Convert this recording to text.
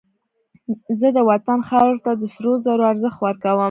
زه د وطن خاورې ته د سرو زرو ارزښت ورکوم